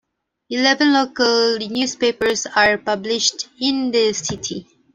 Eleven local newspapers are published in the city.